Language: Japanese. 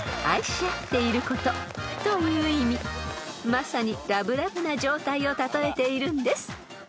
［まさにラブラブな状態を例えているんです］